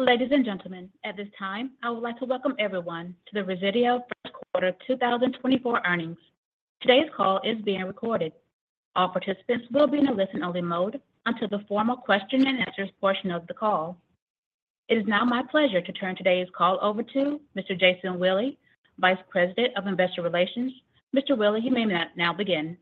Ladies and gentlemen, at this time, I would like to welcome everyone to the Resideo first quarter 2024 earnings. Today's call is being recorded. All participants will be in a listen-only mode until the formal question and answers portion of the call. It is now my pleasure to turn today's call over to Mr. Jason Willey, Vice President of Investor Relations. Mr. Willey, you may now begin.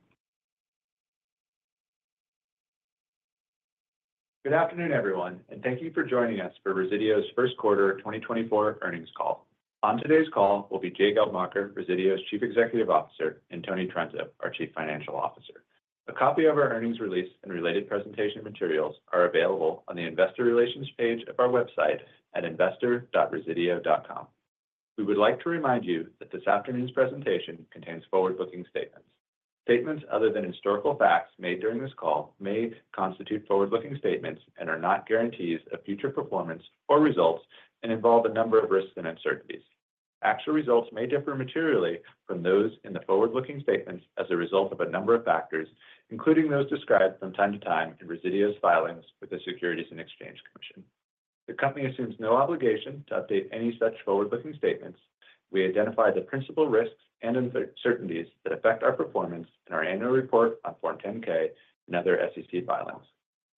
Good afternoon, everyone, and thank you for joining us for Resideo's first quarter of 2024 earnings call. On today's call will be Jay Geldmacher, Resideo's Chief Executive Officer, and Tony Trunzo, our Chief Financial Officer. A copy of our earnings release and related presentation materials are available on the investor relations page of our website at investor.resideo.com. We would like to remind you that this afternoon's presentation contains forward-looking statements. Statements other than historical facts made during this call may constitute forward-looking statements and are not guarantees of future performance or results and involve a number of risks and uncertainties. Actual results may differ materially from those in the forward-looking statements as a result of a number of factors, including those described from time to time in Resideo's filings with the Securities and Exchange Commission. The company assumes no obligation to update any such forward-looking statements. We identify the principal risks and uncertainties that affect our performance in our annual report on Form 10-K and other SEC filings.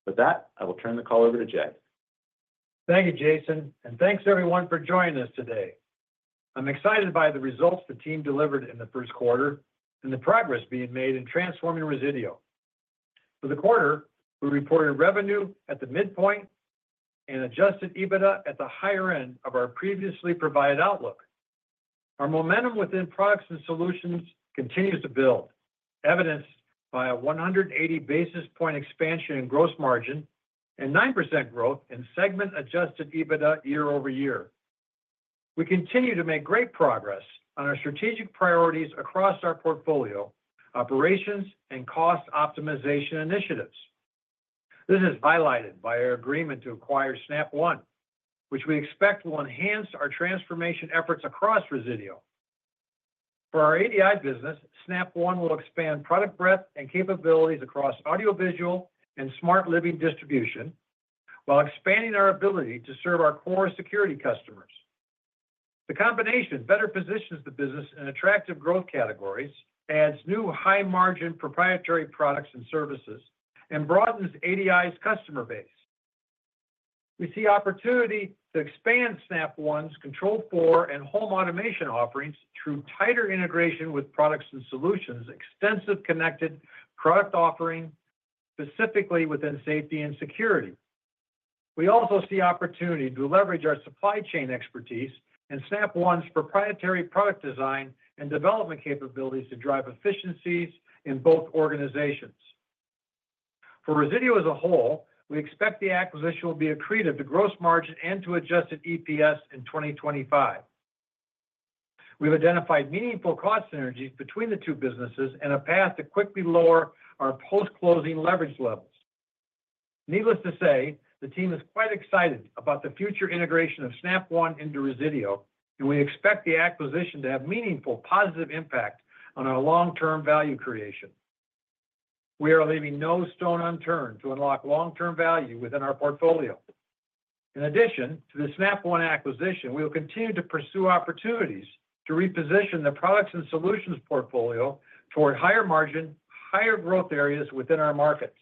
With that, I will turn the call over to Jay. Thank you, Jason, and thanks everyone for joining us today. I'm excited by the results the team delivered in the first quarter and the progress being made in transforming Resideo. For the quarter, we reported revenue at the midpoint and Adjusted EBITDA at the higher end of our previously provided outlook. Our momentum within products and solutions continues to build, evidenced by a 180 basis point expansion in gross margin and 9% growth in segment Adjusted EBITDA year-over-year. We continue to make great progress on our strategic priorities across our portfolio, operations, and cost optimization initiatives. This is highlighted by our agreement to acquire Snap One, which we expect will enhance our transformation efforts across Resideo. For our ADI business, Snap One will expand product breadth and capabilities across audio, visual, and smart living distribution, while expanding our ability to serve our core security customers. The combination better positions the business in attractive growth categories, adds new high-margin proprietary products and services, and broadens ADI's customer base. We see opportunity to expand Snap One's Control4 and home automation offerings through tighter integration with products and solutions, extensive connected product offering, specifically within safety and security. We also see opportunity to leverage our supply chain expertise and Snap One's proprietary product design and development capabilities to drive efficiencies in both organizations. For Resideo as a whole, we expect the acquisition will be accretive to gross margin and to adjusted EPS in 2025. We've identified meaningful cost synergies between the two businesses and a path to quickly lower our post-closing leverage levels. Needless to say, the team is quite excited about the future integration of Snap One into Resideo, and we expect the acquisition to have meaningful positive impact on our long-term value creation. We are leaving no stone unturned to unlock long-term value within our portfolio. In addition to the Snap One acquisition, we will continue to pursue opportunities to reposition the products and solutions portfolio toward higher margin, higher growth areas within our markets.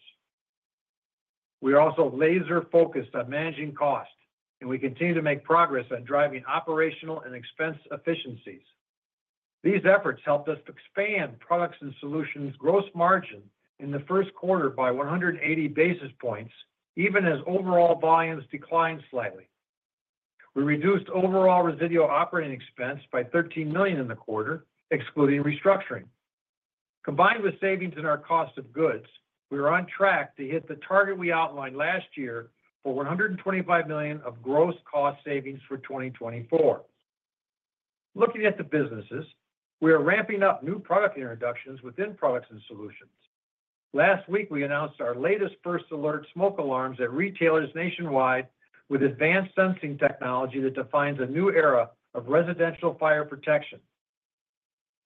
We are also laser-focused on managing costs, and we continue to make progress on driving operational and expense efficiencies. These efforts helped us expand products and solutions gross margin in the first quarter by 180 basis points, even as overall volumes declined slightly. We reduced overall Resideo operating expense by $13 million in the quarter, excluding restructuring. Combined with savings in our cost of goods, we are on track to hit the target we outlined last year for $125 million of gross cost savings for 2024. Looking at the businesses, we are ramping up new product introductions within products and solutions. Last week, we announced our latest First Alert smoke alarms at retailers nationwide with advanced sensing technology that defines a new era of residential fire protection.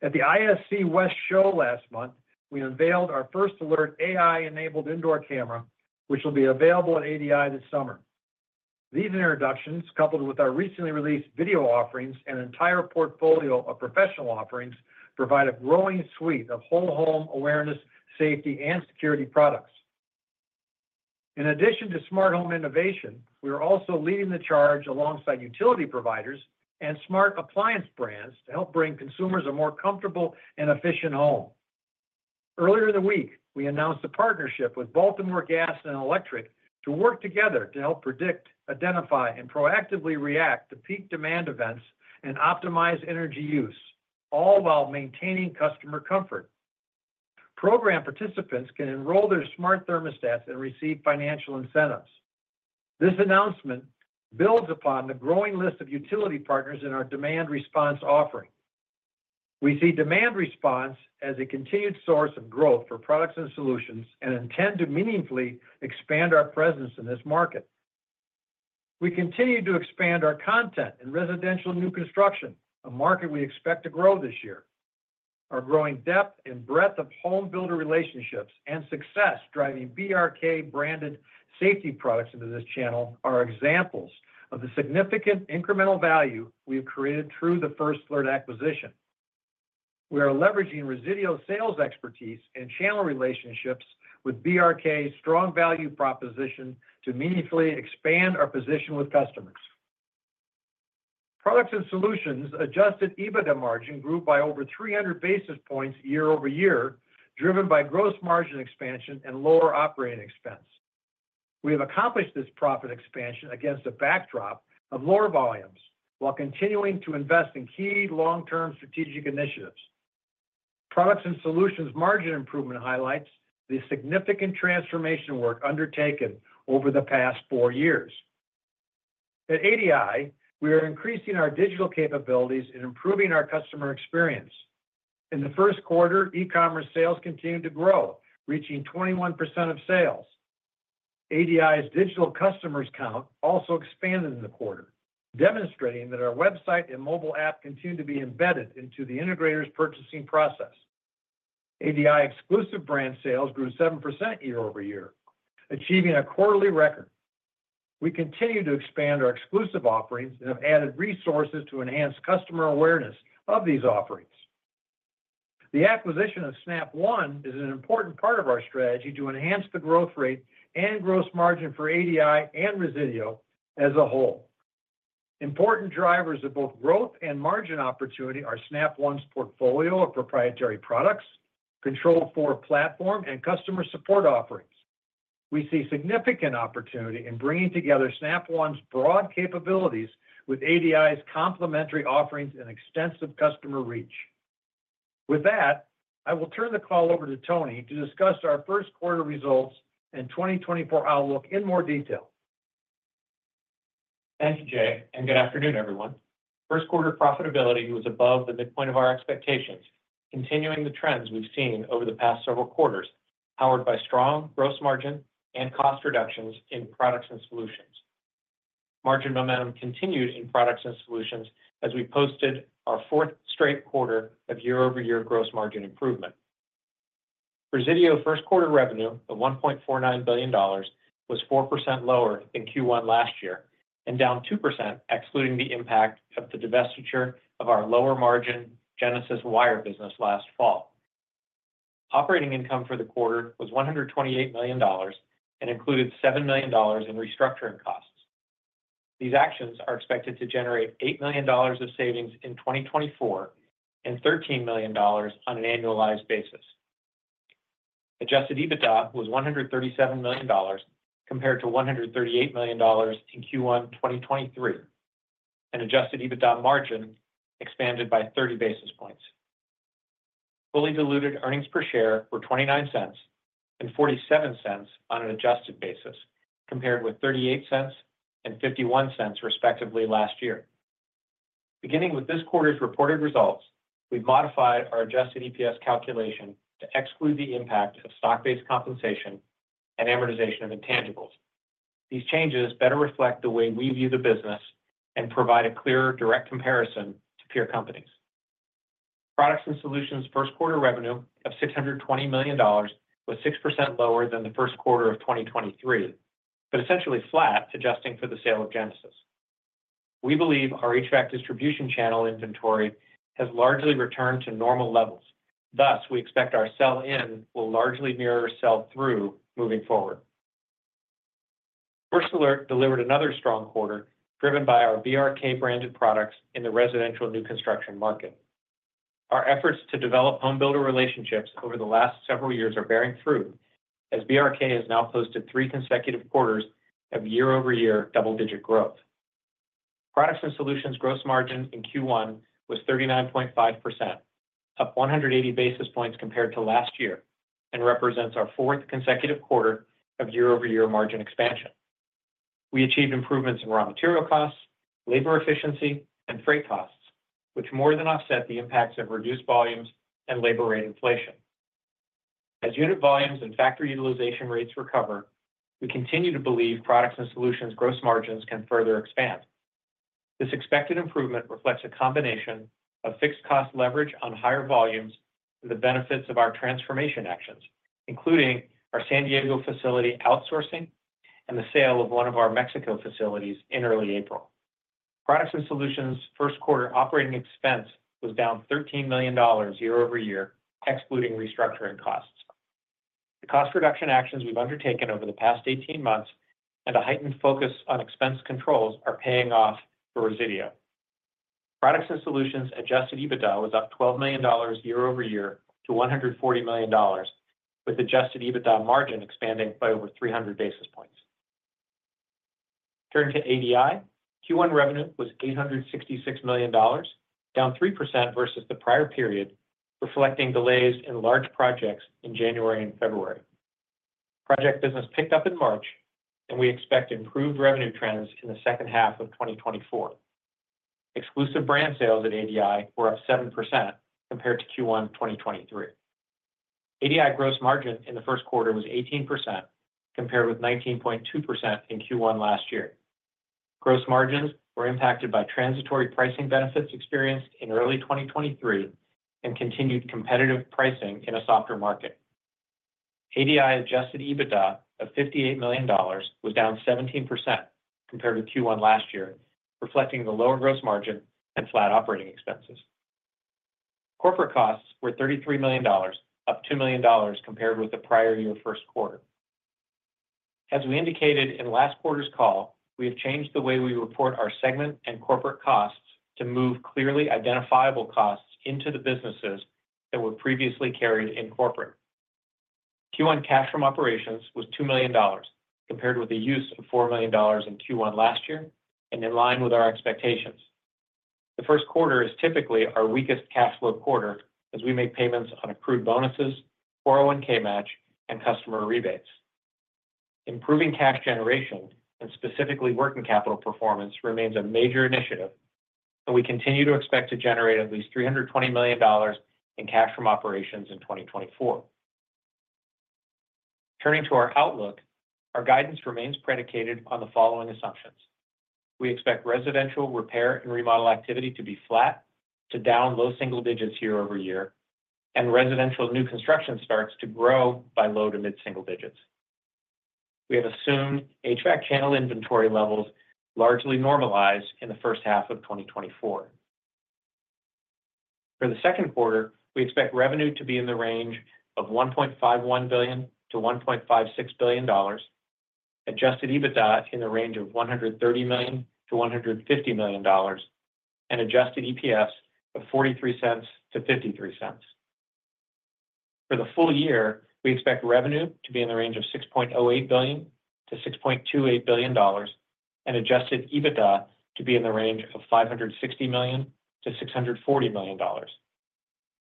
At the ISC West Show last month, we unveiled our First Alert AI-enabled indoor camera, which will be available at ADI this summer. These introductions, coupled with our recently released video offerings and entire portfolio of professional offerings, provide a growing suite of whole-home awareness, safety, and security products. In addition to smart home innovation, we are also leading the charge alongside utility providers and smart appliance brands to help bring consumers a more comfortable and efficient home. Earlier in the week, we announced a partnership with Baltimore Gas and Electric to work together to help predict, identify, and proactively react to peak demand events and optimize energy use, all while maintaining customer comfort. Program participants can enroll their smart thermostats and receive financial incentives. This announcement builds upon the growing list of utility partners in our demand response offering. We see demand response as a continued source of growth for products and solutions and intend to meaningfully expand our presence in this market. We continue to expand our content in residential new construction, a market we expect to grow this year.... Our growing depth and breadth of home builder relationships and success driving BRK branded safety products into this channel are examples of the significant incremental value we have created through the First Alert acquisition. We are leveraging Resideo sales expertise and channel relationships with BRK's strong value proposition to meaningfully expand our position with customers. Products and Solutions Adjusted EBITDA margin grew by over 300 basis points year-over-year, driven by gross margin expansion and lower operating expense. We have accomplished this profit expansion against a backdrop of lower volumes, while continuing to invest in key long-term strategic initiatives. Products and Solutions margin improvement highlights the significant transformation work undertaken over the past four years. At ADI, we are increasing our digital capabilities and improving our customer experience. In the first quarter, e-commerce sales continued to grow, reaching 21% of sales. ADI's digital customers count also expanded in the quarter, demonstrating that our website and mobile app continue to be embedded into the integrators purchasing process. ADI exclusive brand sales grew 7% year-over-year, achieving a quarterly record. We continue to expand our exclusive offerings and have added resources to enhance customer awareness of these offerings. The acquisition of Snap One is an important part of our strategy to enhance the growth rate and gross margin for ADI and Resideo as a whole. Important drivers of both growth and margin opportunity are Snap One's portfolio of proprietary products, Control4 platform, and customer support offerings. We see significant opportunity in bringing together Snap One's broad capabilities with ADI's complementary offerings and extensive customer reach. With that, I will turn the call over to Tony to discuss our first quarter results and 2024 outlook in more detail. Thank you, Jay, and good afternoon, everyone. First quarter profitability was above the midpoint of our expectations, continuing the trends we've seen over the past several quarters, powered by strong gross margin and cost reductions in products and solutions. Margin momentum continued in products and solutions as we posted our fourth straight quarter of year-over-year gross margin improvement. Resideo first quarter revenue of $1.49 billion was 4% lower in Q1 last year, and down 2%, excluding the impact of the divestiture of our lower margin Genesis wire business last fall. Operating income for the quarter was $128 million, and included $7 million in restructuring costs. These actions are expected to generate $8 million of savings in 2024, and $13 million on an annualized basis. Adjusted EBITDA was $137 million, compared to $138 million in Q1 2023, and Adjusted EBITDA margin expanded by 30 basis points. Fully diluted earnings per share were $0.29 and $0.47 on an adjusted basis, compared with $0.38 and $0.51, respectively, last year. Beginning with this quarter's reported results, we've modified our adjusted EPS calculation to exclude the impact of stock-based compensation and amortization of intangibles. These changes better reflect the way we view the business and provide a clearer, direct comparison to peer companies. Products and Solutions first quarter revenue of $620 million was 6% lower than the first quarter of 2023, but essentially flat to adjusting for the sale of Genesis. We believe our HVAC distribution channel inventory has largely returned to normal levels. Thus, we expect our sell-in will largely mirror our sell-through moving forward. First Alert delivered another strong quarter, driven by our BRK branded products in the residential new construction market. Our efforts to develop home builder relationships over the last several years are bearing fruit, as BRK has now posted three consecutive quarters of year-over-year double-digit growth. Products and Solutions gross margin in Q1 was 39.5%, up 180 basis points compared to last year, and represents our fourth consecutive quarter of year-over-year margin expansion. We achieved improvements in raw material costs, labor efficiency, and freight costs, which more than offset the impacts of reduced volumes and labor rate inflation. As unit volumes and factory utilization rates recover, we continue to believe Products and Solutions gross margins can further expand. This expected improvement reflects a combination of fixed cost leverage on higher volumes and the benefits of our transformation actions, including our San Diego facility outsourcing and the sale of one of our Mexico facilities in early April. Products and Solutions first quarter operating expense was down $13 million year-over-year, excluding restructuring costs. The cost reduction actions we've undertaken over the past 18 months and a heightened focus on expense controls are paying off for Resideo. Products and Solutions adjusted EBITDA was up $12 million year-over-year to $140 million, with adjusted EBITDA margin expanding by over 300 basis points. Turning to ADI, Q1 revenue was $866 million, down 3% versus the prior period, reflecting delays in large projects in January and February. Project business picked up in March, and we expect improved revenue trends in the second half of 2024. Exclusive brand sales at ADI were up 7% compared to Q1 2023. ADI gross margin in the first quarter was 18%, compared with 19.2% in Q1 last year. Gross margins were impacted by transitory pricing benefits experienced in early 2023, and continued competitive pricing in a softer market. ADI Adjusted EBITDA of $58 million was down 17% compared with Q1 last year, reflecting the lower gross margin and flat operating expenses. Corporate costs were $33 million, up $2 million compared with the prior year first quarter. As we indicated in last quarter's call, we have changed the way we report our segment and corporate costs to move clearly identifiable costs into the businesses that were previously carried in corporate. Q1 cash from operations was $2 million, compared with the use of $4 million in Q1 last year, and in line with our expectations. The first quarter is typically our weakest cash flow quarter as we make payments on accrued bonuses, 401(k) match, and customer rebates. Improving cash generation, and specifically working capital performance, remains a major initiative, and we continue to expect to generate at least $320 million in cash from operations in 2024. Turning to our outlook, our guidance remains predicated on the following assumptions: We expect residential repair and remodel activity to be flat to down low single digits year-over-year, and residential new construction starts to grow by low to mid single digits. We have assumed HVAC channel inventory levels largely normalize in the first half of 2024. For the second quarter, we expect revenue to be in the range of $1.51 billion-$1.56 billion. Adjusted EBITDA in the range of $130 million-$150 million, and Adjusted EPS of $0.43-$0.53. For the full year, we expect revenue to be in the range of $6.08 billion-$6.28 billion, and Adjusted EBITDA to be in the range of $560 million-$640 million.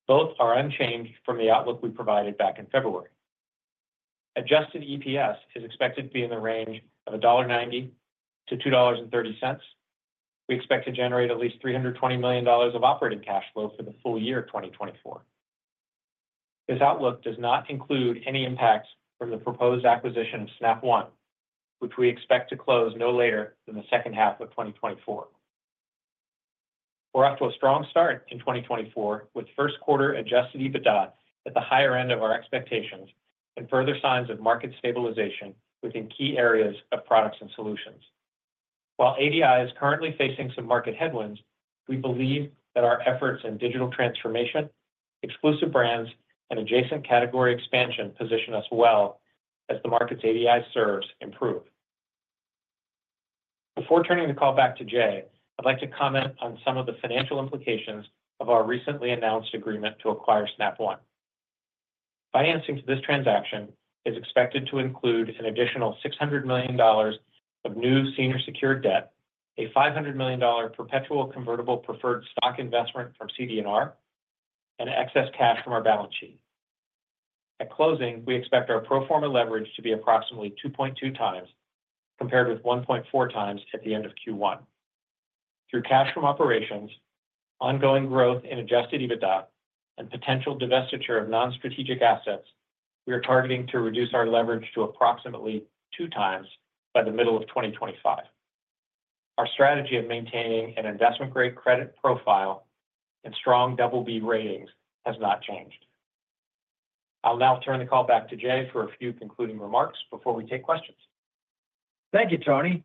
Both are unchanged from the outlook we provided back in February. Adjusted EPS is expected to be in the range of $1.90-$2.30. We expect to generate at least $320 million of operating cash flow for the full year of 2024. This outlook does not include any impacts from the proposed acquisition of Snap One, which we expect to close no later than the second half of 2024. We're off to a strong start in 2024, with first quarter Adjusted EBITDA at the higher end of our expectations, and further signs of market stabilization within key areas of products and solutions. While ADI is currently facing some market headwinds, we believe that our efforts in digital transformation, exclusive brands, and adjacent category expansion position us well as the markets ADI serves improve. Before turning the call back to Jay, I'd like to comment on some of the financial implications of our recently announced agreement to acquire Snap One. Financing for this transaction is expected to include an additional $600 million of new senior secured debt, a $500 million perpetual convertible preferred stock investment from CD&R, and excess cash from our balance sheet. At closing, we expect our pro forma leverage to be approximately 2.2x, compared with 1.4x at the end of Q1. Through cash from operations, ongoing growth in adjusted EBITDA, and potential divestiture of non-strategic assets, we are targeting to reduce our leverage to approximately 2x by the middle of 2025. Our strategy of maintaining an investment-grade credit profile and strong double B ratings has not changed. I'll now turn the call back to Jay for a few concluding remarks before we take questions. Thank you, Tony.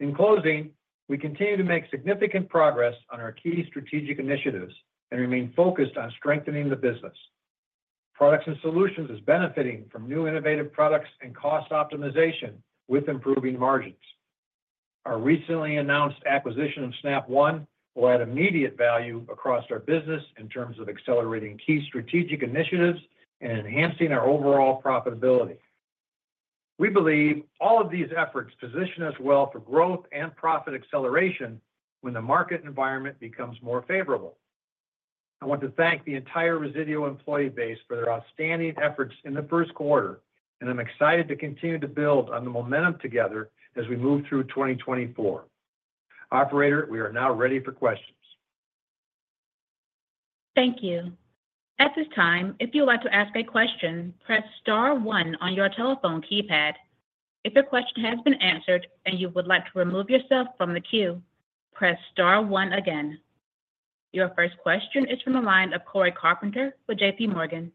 In closing, we continue to make significant progress on our key strategic initiatives and remain focused on strengthening the business. Products and solutions is benefiting from new innovative products and cost optimization with improving margins. Our recently announced acquisition of Snap One will add immediate value across our business in terms of accelerating key strategic initiatives and enhancing our overall profitability. We believe all of these efforts position us well for growth and profit acceleration when the market environment becomes more favorable. I want to thank the entire Resideo employee base for their outstanding efforts in the first quarter, and I'm excited to continue to build on the momentum together as we move through 2024. Operator, we are now ready for questions. Thank you. At this time, if you would like to ask a question, press star one on your telephone keypad. If your question has been answered and you would like to remove yourself from the queue, press star one again. Your first question is from the line of Cory Carpenter with J.P. Morgan.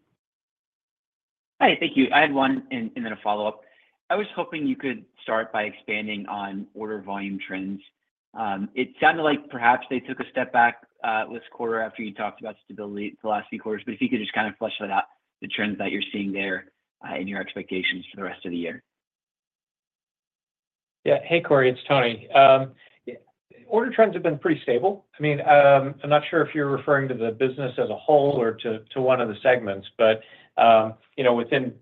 Hi, thank you. I had one and, and then a follow-up. I was hoping you could start by expanding on order volume trends. It sounded like perhaps they took a step back this quarter after you talked about stability the last few quarters, but if you could just kind of flesh that out, the trends that you're seeing there, and your expectations for the rest of the year. Yeah. Hey, Cory, it's Tony. Yeah, order trends have been pretty stable. I mean, I'm not sure if you're referring to the business as a whole or to, to one of the segments, but, you know, within,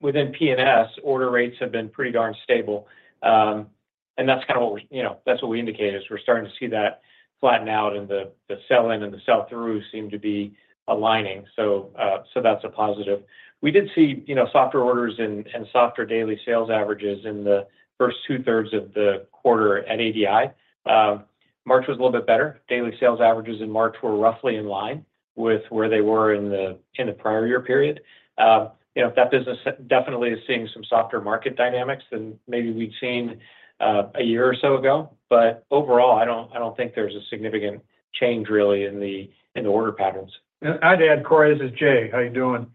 within PNS, order rates have been pretty darn stable. And that's kind of what we, you know... That's what we indicated, is we're starting to see that flatten out and the, the sell-in and the sell-through seem to be aligning. So, so that's a positive. We did see, you know, softer orders and, and softer daily sales averages in the first two-thirds of the quarter at ADI. But March was a little bit better. Daily sales averages in March were roughly in line with where they were in the, in the prior year period. you know, that business definitely is seeing some softer market dynamics than maybe we'd seen, a year or so ago. But overall, I don't think there's a significant change really in the order patterns. And I'd add, Corey, this is Jay. How you doing?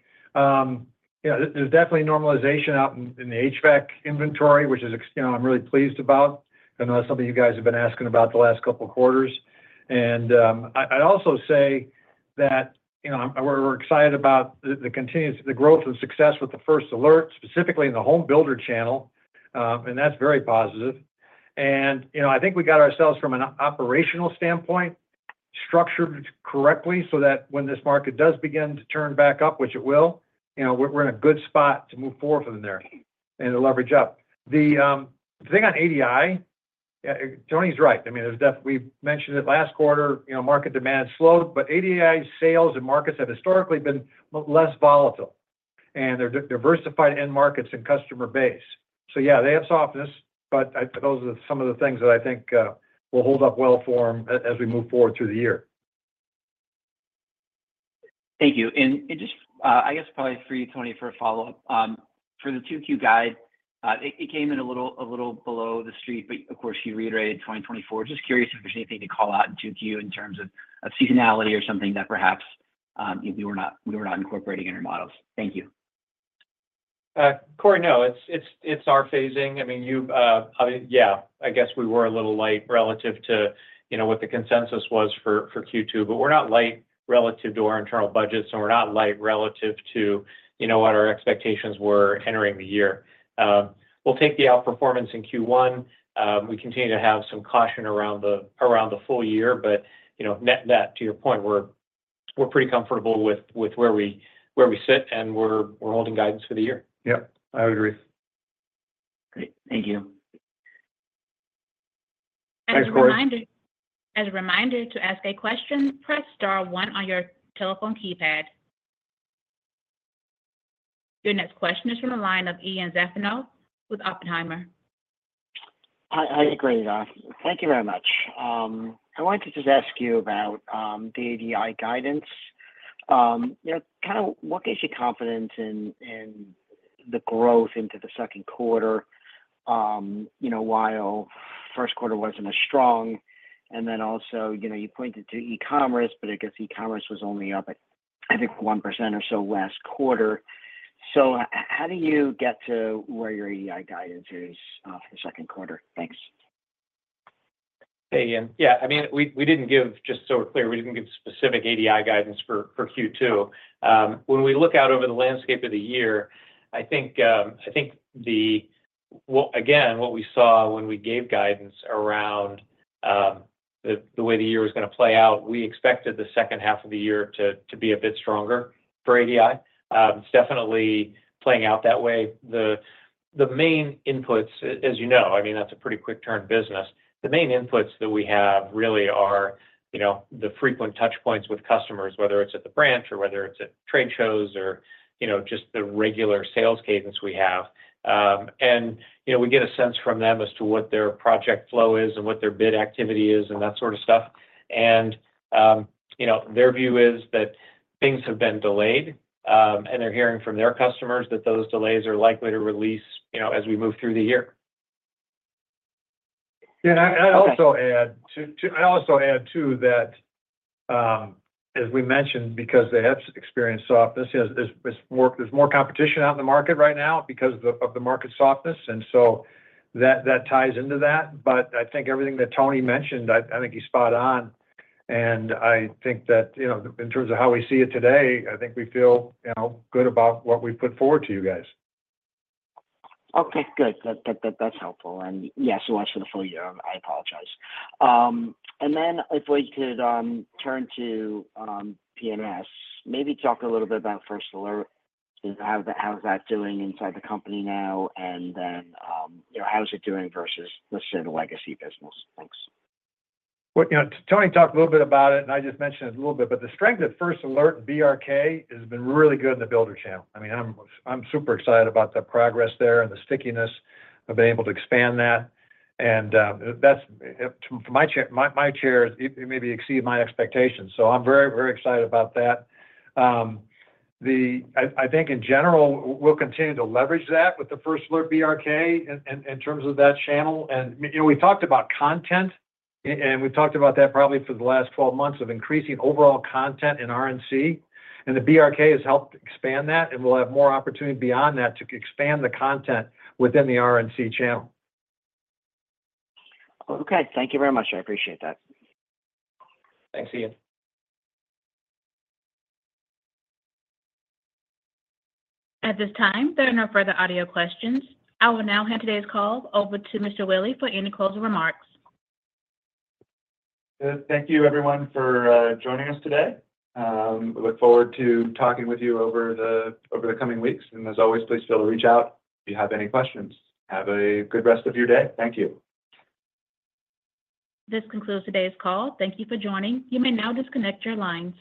Yeah, there's definitely normalization out in the HVAC inventory, which is, you know, I'm really pleased about. I know that's something you guys have been asking about the last couple of quarters. I'd also say that, you know, we're, we're excited about the continuance, the growth and success with the First Alert, specifically in the home builder channel, and that's very positive. And, you know, I think we got ourselves from an operational standpoint, structured correctly so that when this market does begin to turn back up, which it will, you know, we're, we're in a good spot to move forward from there and to leverage up. The thing on ADI, yeah, Tony's right. I mean, there's definitely, we mentioned it last quarter, you know, market demand slowed, but ADI sales and markets have historically been less volatile, and they're diversified end markets and customer base. So yeah, they have softness, but I suppose those are some of the things that I think will hold up well for them as we move forward through the year. Thank you. And just, I guess probably for you, Tony, for a follow-up. For the 2Q guide, it came in a little below the street, but of course, you reiterated 2024. Just curious if there's anything to call out in 2Q in terms of seasonality or something that perhaps we were not incorporating in our models. Thank you. Cory, no, it's our phasing. I mean, yeah, I guess we were a little light relative to, you know, what the consensus was for Q2, but we're not light relative to our internal budgets, and we're not light relative to, you know, what our expectations were entering the year. We'll take the outperformance in Q1. We continue to have some caution around the full year, but, you know, net net, to your point, we're pretty comfortable with where we sit, and we're holding guidance for the year. Yeah, I would agree. Great. Thank you. Thanks, Cory. As a reminder, to ask a question, press star one on your telephone keypad. Your next question is from the line of Ian Zaffino with Oppenheimer. Hi. Hi, great. Thank you very much. I wanted to just ask you about the ADI guidance. You know, kind of what gives you confidence in the growth into the second quarter, you know, while first quarter wasn't as strong? And then also, you know, you pointed to e-commerce, but I guess e-commerce was only up, I think, 1% or so last quarter. So how do you get to where your ADI guidance is for the second quarter? Thanks. Hey, Ian. Yeah, I mean, we, we didn't give, just so we're clear, we didn't give specific ADI guidance for, for Q2. When we look out over the landscape of the year, I think, I think well, again, what we saw when we gave guidance around, the way the year was gonna play out, we expected the second half of the year to be a bit stronger for ADI. It's definitely playing out that way. The main inputs, as you know, I mean, that's a pretty quick turn business. The main inputs that we have really are, you know, the frequent touch points with customers, whether it's at the branch or whether it's at trade shows or, you know, just the regular sales cadence we have. And, you know, we get a sense from them as to what their project flow is and what their bid activity is and that sort of stuff. You know, their view is that things have been delayed, and they're hearing from their customers that those delays are likely to release, you know, as we move through the year. Yeah, and I'd also add- Okay. I also add, too, that, as we mentioned, because they have experienced softness, there's more competition out in the market right now because of the market softness, and so that ties into that. But I think everything that Tony mentioned, I think he's spot on, and I think that, you know, in terms of how we see it today, I think we feel, you know, good about what we've put forward to you guys. Okay, good. That's helpful. And yes, so as for the full year, I apologize. And then if we could turn to PNS, maybe talk a little bit about First Alert, and how's that doing inside the company now? And then you know, how is it doing versus the sort of legacy business? Thanks. Well, you know, Tony talked a little bit about it, and I just mentioned it a little bit, but the strength of First Alert and BRK has been really good in the builder channel. I mean, I'm super excited about the progress there and the stickiness of being able to expand that. And, that's, from my chair, it maybe exceeded my expectations, so I'm very, very excited about that. I think in general, we'll continue to leverage that with the First Alert BRK in terms of that channel. And, you know, we talked about content, and we've talked about that probably for the last 12 months of increasing overall content in RNC, and the BRK has helped expand that, and we'll have more opportunity beyond that to expand the content within the RNC channel. Okay. Thank you very much, sir. I appreciate that. Thanks, Ian. At this time, there are no further audio questions. I will now hand today's call over to Mr. Willey for any closing remarks. Good. Thank you, everyone, for joining us today. We look forward to talking with you over the coming weeks, and as always, please feel free to reach out if you have any questions. Have a good rest of your day. Thank you. This concludes today's call. Thank you for joining. You may now disconnect your lines.